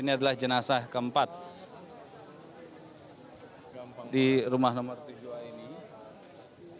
ini adalah jenazah keempat di rumah nomor tujuh a ini